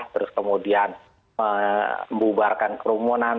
terus kemudian membubarkan kerumunan